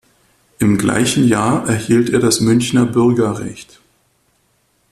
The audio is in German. Im gleichen Jahr erhielt er das Münchner Bürgerrecht.